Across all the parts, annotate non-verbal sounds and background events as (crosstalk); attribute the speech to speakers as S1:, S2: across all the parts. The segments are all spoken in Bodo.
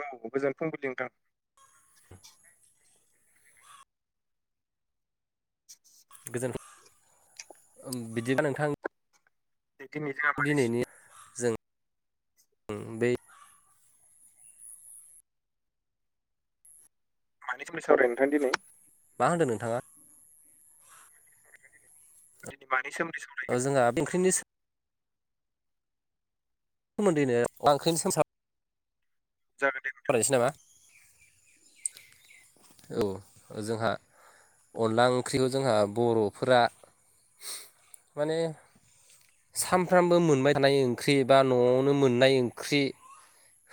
S1: औ गोजोन फुंबिलिनोथां। (unintelligible)
S2: गोजोन बिदिबा नोंथां?
S1: बेनि
S2: दिनैनि जों (inaudible) बै
S1: मानि सोमोन्दै सावरायगोन नोंथां दिनै?
S2: मा होनदों नोंथाङा?
S1: दिनै मानै सोमोन्दै साव
S2: औ जोंहा बेंख्रिनि सोमोन्दैनो (unintelligible)
S1: जागोन
S2: रायनोसै नामा? (inaudible) औ जोंहा अनला ओंख्रिखौ जोंहा बर'फोरा माने सानफ्रामबो मोनबाय थानाय ओंख्रि बबा न'आवनो मोननाय ओंख्रि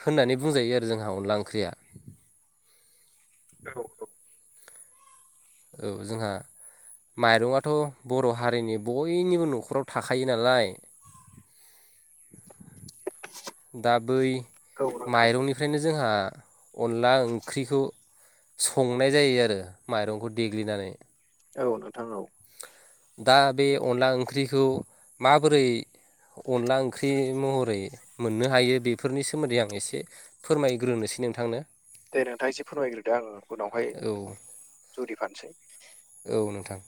S2: होननानै बुंजायो आरो जोंहा अनला ओंख्रिया
S1: औ औ
S2: औ जोंहा माइरङाथ' बर' हारिनि बयनिबो न'खराव थाखायो नालाय दा बै
S1: औ नोंथां
S2: माइरंनिफ्रायनो जोंहा अनला ओंख्रिखौ संनाय जायो आरो माइरंखौ देग्लिनानै
S1: औ नोंथां औ।
S2: दा बे अनला ओंख्रिखौ माबोरै अनला ओंख्रि महरै मोननो हायो बेफोरनि सोमोन्दै आं एसे फोरमायग्रोनोसै नोंथांनो
S1: दे नोंथां एसे फोरमायग्रोदो आङो उनावहाय
S2: औ
S1: जुरि फानोसै।
S2: औ नोंथां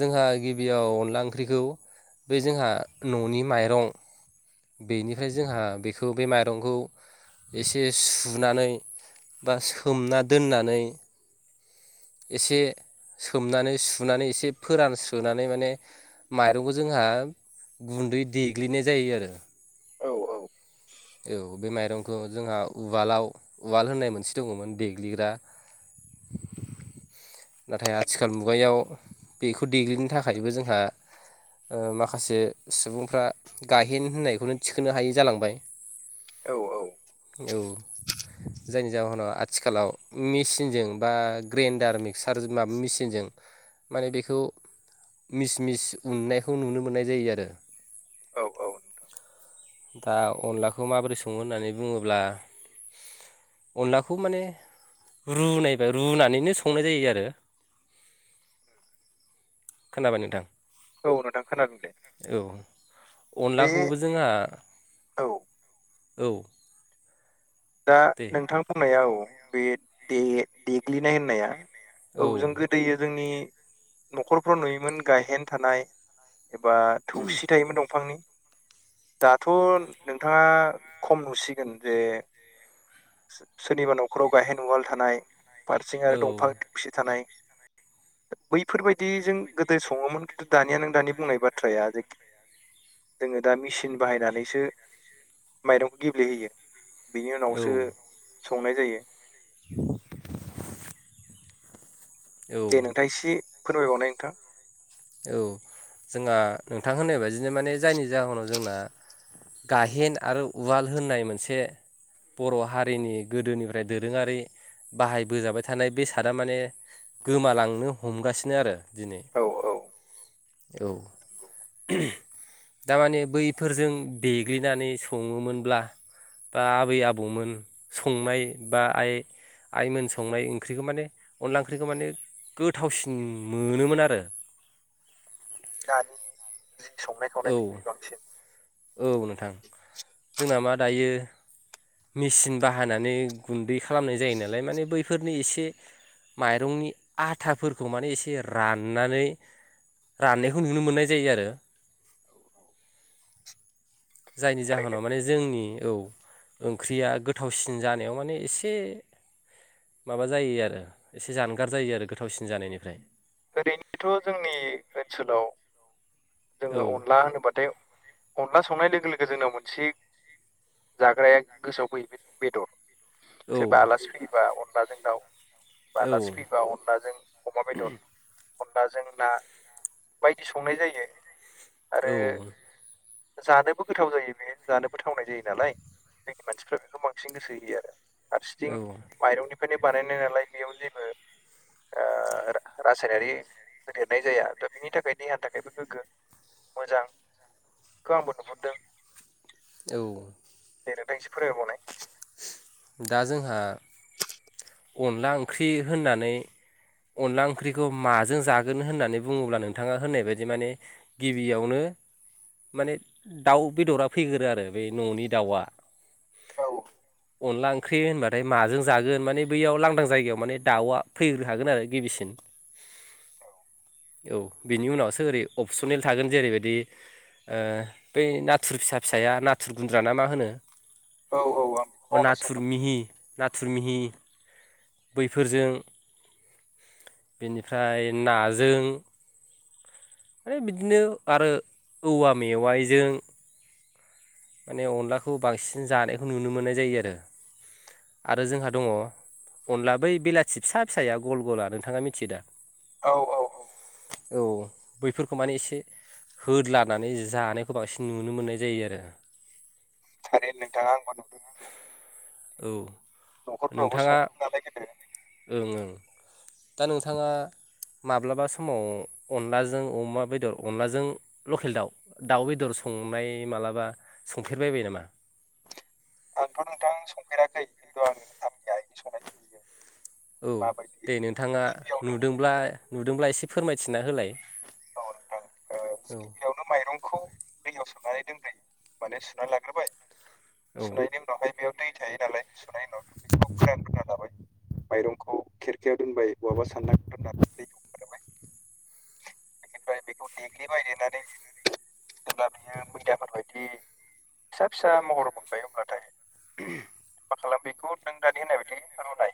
S2: जोंहा गिबियाव अनला ओंख्रिखौ बे जोंहा न'नि माइरं बेनिफ्राय जोंहा बेखौ बे माइरंखौ एसे सुनानै बा सोमना दोननानै एसे सोमनानै सुनानै एसे फोरान सुनानै माने माइरंखौ जोंहा गुन्दै देग्लिनाय जायो आरो
S1: औ औ
S2: औ बे माइरंखौ जोंहा उवालाव उवाल होननाय मोनसे दङमोन देग्लिग्रा नाथाय आथिखाल मुगायाव बेखौ देग्लिनो थाखायबो जोंहा ओ माखासे सुबुंफ्रा गायेन होननायखौनो थिखोनो हायि जालांबाय
S1: औ औ
S2: औ जायनि जाहोनाव आथिखालाव मेसिनजों बा ग्रेन्डार सार माबा मेसिनजों माने बेखौ मिस मिस उननायखौ नुनो मोननाय जायो आरो।
S1: औ औ नोंथां
S2: दा अनलाखौ माबोरै सङो होननानै बुङोब्ला अनलाखौ माने रुनायबाय रुनानैनो संनाय जायो आरो। खोनाबाय नोंथां।
S1: औ नोंथां खोनादों दे
S2: औ
S1: बे
S2: अनलाखौबो जोंहा
S1: औ
S2: औ
S1: दा
S2: दे
S1: नोंथां बुंनाया औ बे दे देग्लिनाय होननाया औ जों गोदो जोंनि न'खरफ्राव नुयोमोन गायहेन थानाय एबा थौसि थायोमोन दंफांनि दाथ' नोंथाङा खम नुसिगोन जे सोरनिबा न'खराव गाहेन उवाल थानाय हारसिं
S2: औ
S1: आरो दंफां खसि थानाय बैफोरबायदि जों गोदो सङोमोन खिन्थु दानिया नों दानि बुंनाय बाथ्राया जे जोङो दा मेसिन बाहायनानैसो माइरंखौ गेब्लेहोयो बेनि
S2: औ
S1: उनावसो संनाय जायो।
S2: औ
S1: दे नोंथाङा एसे फोरमायबावनाय नोंथां।
S2: औ जोंहा नोंथां होननाय बाददिनो माने जायनि जाहोनाव जोंना गाहेन आरो उवाल होननाय मोनसे बर' हारिनि गोदोनिफ्राय दोरोङारि बाहायबोजाबाय थानाय बे सादा माने गोमालांनो हमगासिनो आरो दिनै
S1: औ औ
S2: औ
S1: नंगौ
S2: दारमाने बैफोरजों देग्लिनानै सङोमोनब्ला बा आबै आबौमोन संनाय बा आइ आइमोन संनाय ओंख्रिखौ माने अनला ओंख्रिखौ माने गोथावसिन मोनोमोन आरो।
S1: दानि जि संनाय खावनाय
S2: औ
S1: बेनिख्रुइ बांसिन
S2: औ नोंथां जोंना मा दायो मेसिन बाहानानै गुन्दै खालामनाय जायो नालाय माने बैफोर एसे माइरंनि आथाफोरखौ माने एसे राननानै राननायखौ नुनो मोननाय जायो आरो।
S1: औ औ
S2: जायनि
S1: ओरैनो
S2: जाहोनाव माने जोंनि औ ओंख्रिया गोथावसिन जानायाव माने एसे माबा जायो आरो एसे जानगार जायो आरो गोथावसिन जानायनिफ्राय
S1: ओरैनोथ' जोंनि ओनसोलाव
S2: औ
S1: जोङो अनला होनोब्लाथाय अनला संनाय लोगो लोगो जोंनाव मोनसे जाग्राया गोसोआव फैयो बे बेदर
S2: औ
S1: सोरबा आलासि फैयोबा अनलाजों दाउ बा
S2: औ
S1: आलासि फैयोबा अनलाजों अमा बेदर अनलाजों ना बायदि संनाय जायो
S2: औ
S1: आरो जानोबो गोथाव जायो बे जानोबोथावनाय जायो नालाय जोंनि मानसिफ्रा बेखौ बांसिन गोसो होयो आरो। फारसिथिं
S2: औ
S1: माइरंनिफ्रायनो बानायनाय नालाय बेयाव जेबो ओ रासायनारि होदेरनाय जाया दा बिनि थाखाय देहानि थाखायबो गोग्गो मोजां खौ आंबो नुहुरदों।।
S2: औ
S1: दे नोंथां एसे फोरमायबावनाय।
S2: दा जोंहा अनला ओंख्रि होननानै अनला ओंख्रिखौ माजों जागोन होननानै बुङोब्ला नोंथाङा होननाय बायदि माने गिबियावनो माने दाउ बेदरा फैग्रो आरो बे न'नि दाउआ
S1: औ
S2: अनला ओंख्रि होनबाथाय माजों जागोन माने बैयाव लांदां जायगायाव माने दाउआ फैग्रो खागोन आरो गिबिसिन
S1: औ
S2: औ बिनि उनावसो ओरै अपसनेल थागोन जेरैबायदि ओ बै नाथुर फिसा फिसाया नाथुर गुन्द्रा ना मा होनो
S1: औ औ ओं
S2: नाथुरमिहि नाथुरमिहि बैफोरजों बेनिफ्राय नाजों आरो बिदिनो आरो औवा मेवाइजों माने अनलाखौ बांसिन जानायखौ नुनो मोननाय जायो आरो आरो जोंहा दङ अनला बै बेलाथि फिसा फिसाया गल गला नोंथाङा मिथियो दा।
S1: औ औ
S2: औ बैफोरखौ माने एसे होद लानानै जानायखौ बांसिन नुनो मोननाय जायो आरो
S1: थारै नोंथाङा आंबो नुदों बेखौ
S2: औ
S1: न'खरफोरावबो
S2: नोंथाङा
S1: सङोमोन नालाय गोदो।
S2: ओं ओं दा नोंथांङा माब्लाबा समाव अनलाजों अमा बेदर अनलाजों लकेल दाउ दाउ बेदर संनाय मालाबा संफेरबायबाय नामा?
S1: आंथ' नोंथां संफेराखै खिन्थु आं आंनि आइनि संनायखौ नुयो।
S2: औ
S1: माबायदि
S2: दे नोंथांङा
S1: गिबियावनो
S2: नुदोंब्ला नुदोंब्ला एसे फोरमायथिना होलाय।
S1: औ नोंथां ओ
S2: औ
S1: गिबियावनो माइरं खौ दैयाव सोमनानै दोनदो माने सुनानै लाग्रोबाय
S2: औ
S1: सुनायनि उनावहाय बेयाव दै थायो नालाय सुनायनि उनावथ' बेखौ फोरानग्रोना लाबाय माइरंखौ खेरखायाव दोनबाय बहाबा सान्दां दोननानै दैखौ गहोबाय। ओमफ्राय बेखौ देग्लिबाय देनानै जेब्ला बियो मैदाफोरबायदि फिसा फिसा महर मोनबाय होनब्लाथाय
S2: (unintelligible)
S1: मा खालामो बेखौ नों दानि होननाय बायदि रुनाय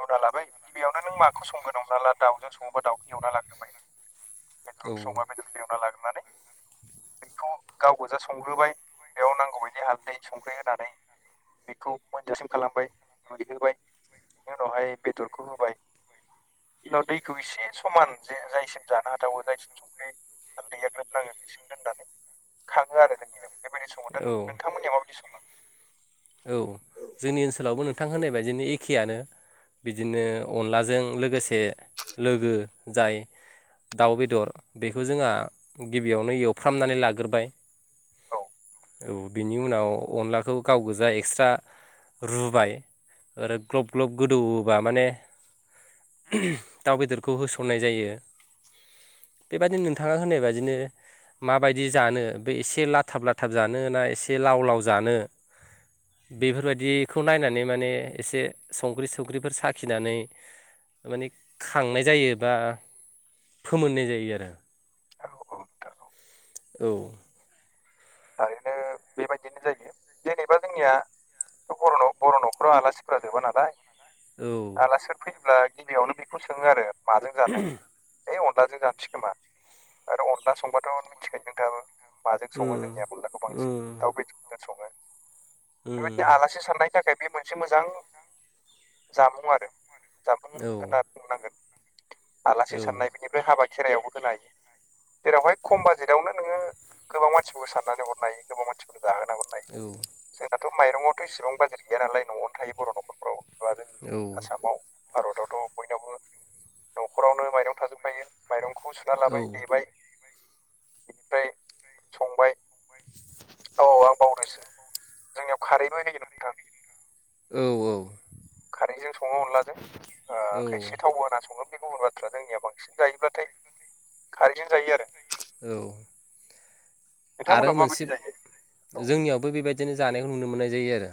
S1: रुना लाबाय गिबियावनो नों माखौं संगोन हमना ला दाउजों संङोबा दाउखौ एवना लाग्रोबाय। दुब
S2: औ
S1: संबा बेदरखौ एवना लाग्रोनानै बेखौ गाव गोजा संग्रोबाय बेयाव नांगौबायदि हालदै संख्रि होनानै बेखौ मोनजासिम खालामबाय रुइहोबाय। बिनि उनावहाय बेदरखौ होबाय बिनाव दैखौ एसे समान जे जायैसिम जानो हाथावो जायसिम संख्रि हालदैया ग्रोबनांङो बेसिम दोननानै खांङो आरो जोंनियाव। बेबायदि संङो दा
S2: औ
S1: नोंथांमोननिया माबायदि सङो?
S2: औ जोंनि ओनसोलावबो नोंथां होननाय बायदिनो एखेआनो बिदिनो अनलाजों लोगोसे लोगो जाय दाउ बेदर बेखौ जोंहा गिबियावनो एवफ्रामनानै लाग्रोबाय।
S1: औ
S2: औ बिनि उनाव अनलाखौ गाव गो जा एकस्रा रुबाय आरो ग्लब ग्लब गोदौओबा माने उमह दाउ बेदरखौ होसननाय जायो। बेबायदिनो नोंथांङा होननाय बायदिनो माबायदि जानो बे एसे लाथाब लाथाब जानो ना एसे लाव लाव जानो बेफोरबायदिखौ नायनानै माने एसे संख्रि संख्रिफोर साखिनानै माने खांनाय जायो बा फोमोननाय जायो आरो।
S1: औ औ नोंथां औ
S2: औ
S1: थारैनो बेबायदिनो जायो। जेनेबा जोंनिया बर बर' न'खराव आलासिफोरा जोबा नालाय।
S2: औ
S1: दा सोर फैयोब्ला गिबियावनो बेखौ सोङो आरो माजों जानो? ओय अनलाजों जानोसै खोमा आरो अनला संबाथ' मिथिखायो नोंथांआबो? माजों
S2: औ
S1: सङो
S2: उम
S1: जोंनिया अनलाखौ बांसिन
S2: उम
S1: दाउ बेदरजों सङो‌। बेबायदि
S2: उम
S1: आलासि साननायनि थाखाय बे मोनसे मोजां जामुं आरो। जामुं
S2: औ
S1: होनना बुंनांगोन
S2: औ
S1: आलासि साननाय बेनिफ्राय हाबा खेराइयावबो होनाय जेरावहाय खम बाजेटावनो नोङो गोबां मानसिफोरखौ साननानै हरनाय हायो गोबां मानसिफोरखौ जाहोना हरनो हायो।
S2: औ
S1: जोंनाथ' माइरंआवथ' इसेबां बाजेट गैया नालाय न'आवनो थायो बर' न'खरफ्राव एबा जोंनि आसामाव भारतआवथ' बयनावबो न'खरावनो माइरं थाजोबखायो माइरंखौ सुना लाबाय
S2: औ
S1: देबाय बेनिफ्राय संबाय औ आं बावदोंसो जोंनियाव खारैबो होयो नोंथां।
S2: औ औ
S1: खारैजों संङो अनलाजों ओ
S2: औ
S1: खायसे थावबो होना् संङो थिग गुबुन' थ्रा जोंनिया बांसिन जायोब्लाथाय खारैजों जायो आरो।
S2: औ आरो
S1: नोंथांमोननाव
S2: मोनसे
S1: माबायदि जायो औ
S2: जोंनियावबो बेबायदिनो जानायखौ नुनो मोननाय जायो आरो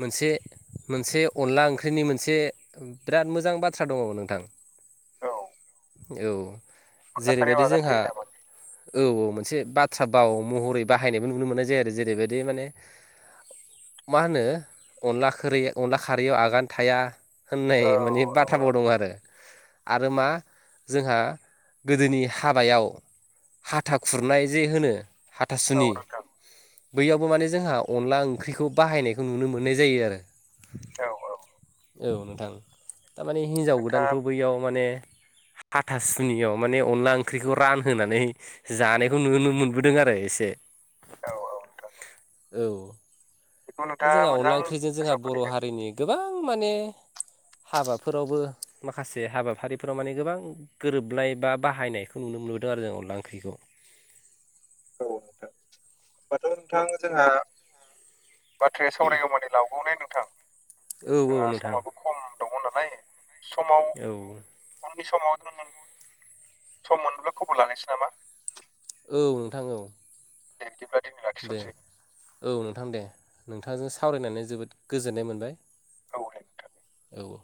S2: मोनसे मोनसे अनला ओंख्रिनि मोनसे बिराद मोजां बाथ्रा दङ नोंथां
S1: औ
S2: औ
S1: अनला खारैयाव
S2: जेरैबायदि
S1: आगान
S2: जोंहा
S1: थायो नामा
S2: औ औ मोनसे बाथ्रा बाव महरै बाहायनायबो नुनो मोननाय जायो आरो जेरैबायदि माने मा होनो अनला खोरै अनला खारैयाव आगान थाया
S1: औ
S2: होननाय माने
S1: औ
S2: बाथ्राबो दं आरो आरो मा जोंहा गोदोनि हाबायाव हाथा खुरनाय जे होनो
S1: औ
S2: हाथासुनि
S1: नोंथां
S2: बैयावबो माने जोंहा अनला ओंख्रिखौ बाहायनायखौ नुनो मोननाय जायो आरो
S1: औ औ
S2: औ नोंथां थारमाने हिन्जाव
S1: नोंथाङा
S2: गोदानखौ बैयाव माने हाथासुनियाव माने अनला ओंख्रिखौ रानहोनानै जानायखौ नुनो मोनबोदों आरो एसे
S1: औ औ नोंथां
S2: औ
S1: बेखौ
S2: बे
S1: नोंथाङा
S2: जोंहा अनला
S1: मोजां
S2: ओंख्रिजों जोंहा
S1: गोसोआव
S2: बर'
S1: खोलैदों
S2: हारिनि गोबां माने हाबाफोरावबो माखासे हाबाफारिफोराव माने गोबां गोरोबलाय बा बाहायनायखौ नुनो मोनबोदों आरो जों अनला ओंख्रिखौ
S1: औ नोंथां होमबाथ' नोंथां जोंहा बाथ्राया सावरायगौमानि लाावबावनाय नोंथां
S2: औ औ
S1: जोंहा
S2: नोंथां
S1: समाबो खम दङ नालाय समाव
S2: औ
S1: उननि समाव नों सम मोनोब्ला खबर लानोसै नामा
S2: औ नोंथां औ
S1: दे बिदिब्ला दिनै
S2: दे
S1: लाखिथनोसै
S2: औ नोंथां दे नोंथांजों सावरायनानै जोबोद गोजोननाय मोनबाय
S1: औ दे नोंथां
S2: औ